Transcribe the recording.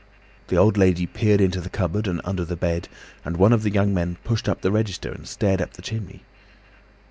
The old lady peered into the cupboard and under the bed, and one of the young men pushed up the register and stared up the chimney.